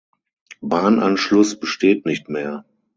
Bahnanschluss besteht nicht mehr.